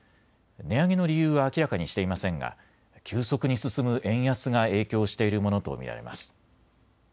値上げの理由は明らかにしていませんが急速に進む円安が影響しているものと見られます。